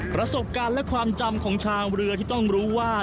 ประสบการณ์และความจำของชาวเรือที่ต้องรู้ว่า